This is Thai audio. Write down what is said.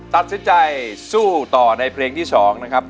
ตัดสินใจสู้ต่อในเพลงที่๒นะครับ